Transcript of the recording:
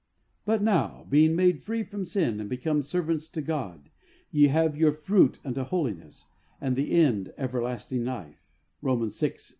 " But now, being made free from sin and become servants to God, ye have your fruit unto holiness, and the end everlasting life " (Rom.